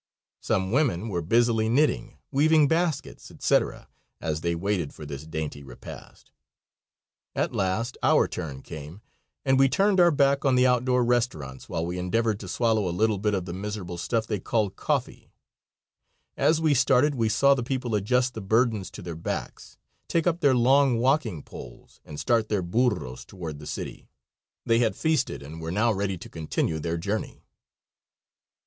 Some women were busily knitting, weaving baskets, etc., as they waited for this dainty repast. At last our turn came, and we turned our back on the outdoor restaurants while we endeavored to swallow a little bit of the miserable stuff they called coffee. As we started we saw the people adjust the burdens to their backs, take up their long walking poles, and start their burros toward the city. They had feasted and were now ready to continue their journey.